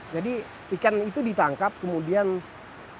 jadi ikan itu ditangkap kemudian ya dalam